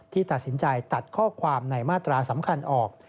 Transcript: ตัดสินใจตัดข้อความในมาตราสำคัญออก